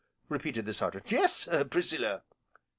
repeated the Sergeant, "Yes, Priscilla."